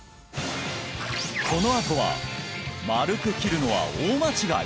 このあとは丸く切るのは大間違い！？